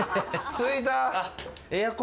着いた。